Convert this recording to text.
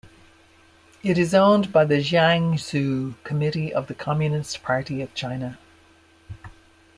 It is owned by the Jiangsu Committee of the Communist Party of China.